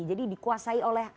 jadi dikuasai oleh